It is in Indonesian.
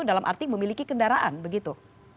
dalam arti memiliki kendaraan begitu